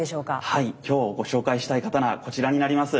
はい今日ご紹介したい刀はこちらになります。